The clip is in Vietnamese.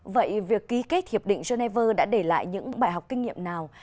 vậy việc ký kết hiệp định geneva đã để lại những bài học kinh nghiệm nào